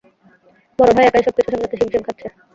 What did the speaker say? বড় ভাই একাই সবকিছু সামলাতে হিমশিম খাচ্ছে।